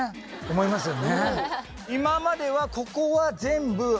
思いますよね。